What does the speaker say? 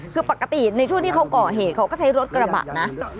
คือปกติในช่วงที่เขาก่อเหตุเขาก็ใช้รถกระบะนะ